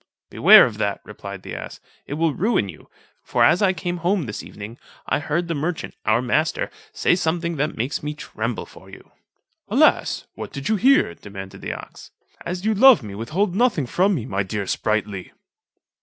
"Beware of that," replied the ass, "it will ruin you; for as I came home this evening, I heard the merchant, our master, say something that makes me tremble for you." "Alas! what did you hear?" demanded the ox; "as you love me, withhold nothing from me, my dear Sprightly."